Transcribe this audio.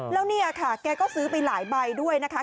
แล้วเนี่ยค่ะแกก็ซื้อไปหลายใบด้วยนะคะ